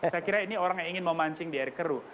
saya kira ini orang yang ingin memancing di air keruh